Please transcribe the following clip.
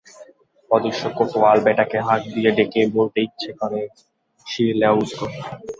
অদৃশ্য কোতোয়াল বেটাকে হাঁক দিয়ে ডেকে বলতে ইচ্ছে করে, শির লেও উসকো।